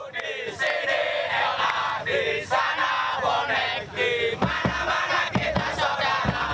di sini el aman di sana bonek di mana mana kita saudara